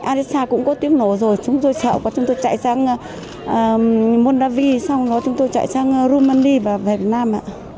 arisa cũng có tiếng nổ rồi chúng tôi chạy sang moldavia sau đó chúng tôi chạy sang romania và việt nam